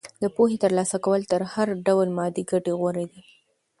د پوهې ترلاسه کول تر هر ډول مادي ګټې غوره دي.